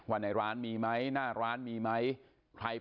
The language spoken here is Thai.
ว่าในร้านมีไหมหน้าร้านมีไหมใครก็ไม่เรียกนะครับ